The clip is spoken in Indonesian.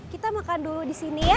kita makan dulu disini ya